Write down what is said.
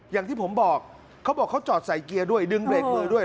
อย่างที่ผมบอกเขาบอกเขาจอดใส่เกียร์ด้วยดึงเบรกมือด้วย